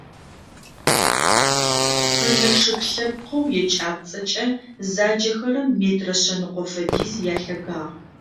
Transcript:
Пэнэ чъыг лъэпкъэу екӏапӏцӏэкӏэ заджэхэрэм метрэ шъэныкъо фэдиз ялъэгагъ.